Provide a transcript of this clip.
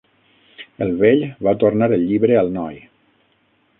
El vell va tornar el llibre al noi.